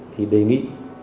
thì đề nghị